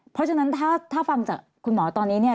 เพราะฉะนั้นถ้าฟังจากคุณหมอตอนนี้เนี่ย